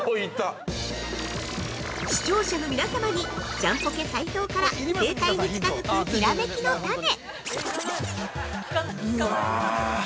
◆視聴者の皆様に、ジャンポケ斉藤から正解に近づくひらめきのタネ。